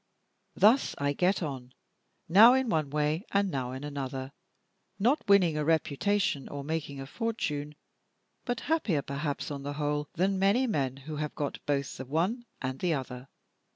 Thus I get on, now in one way and now in another, not winning a reputation or making a fortune, but happier, perhaps, on the whole, than many men who have got both the one and the other.